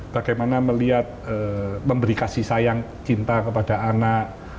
bagaimana melihat memberi kasih sayang cinta kepada anak